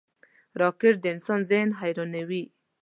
راکټ د انسان ذهن حیرانوي